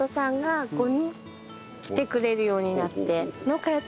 来てくれるようになって。